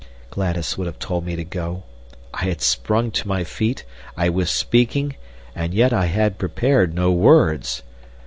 Gladys would have told me to go. I had sprung to my feet. I was speaking, and yet I had prepared no words.